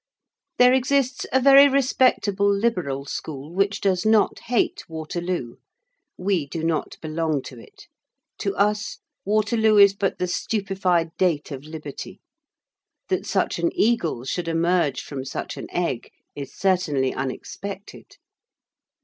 There exists a very respectable liberal school which does not hate Waterloo. We do not belong to it. To us, Waterloo is but the stupefied date of liberty. That such an eagle should emerge from such an egg is certainly unexpected.